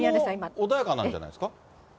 風も穏やかなんじゃないですか。